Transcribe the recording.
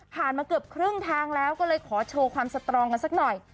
มาเกือบครึ่งทางแล้วก็เลยขอโชว์ความสตรองกันสักหน่อย